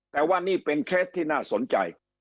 แต่ว่านี่เป็นเคสที่น่าสนใจ